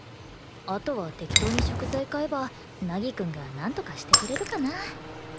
あとは適当に食材買えば凪くんがなんとかしてくれるかな